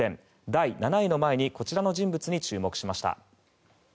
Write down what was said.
第７位の前にこちらの人物に注目しました。